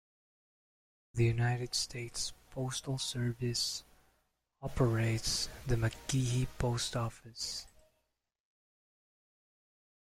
The United States Postal Service operates the McGehee Post Office.